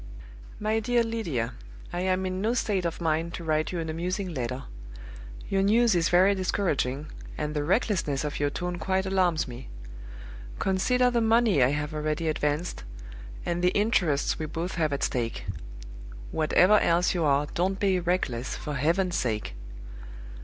"MY DEAR LYDIA I am in no state of mind to write you an amusing letter. Your news is very discouraging, and the recklessness of your tone quite alarms me. Consider the money I have already advanced, and the interests we both have at stake. Whatever else you are, don't be reckless, for Heaven's sake!